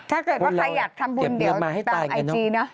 ถ้าเกิดว่าใครอยากทำบุญเดี๋ยวตามไอจีเนอะ